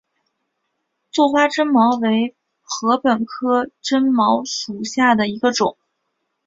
座花针茅为禾本科针茅属下的一个种。